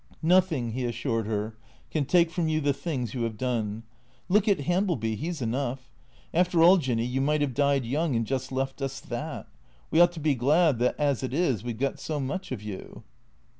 " Nothing," he assured her, " can take from you the things you have done. Look at Hambleby. He 's enough. After all. Jinny, you might have died young and just left us that. We ought to be glad that, as it is, we 've got so much of you."